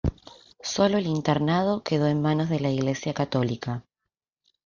Sólo el internado quedó en manos de la iglesia católica.